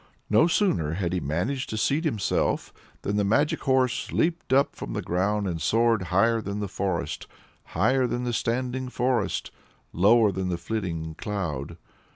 No sooner had he managed to seat himself than the magic horse leaped up from the ground and soared higher than the forest higher than the standing forest, lower than the flitting cloud.